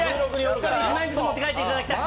１人１万円ずつ持って帰っていただきたい。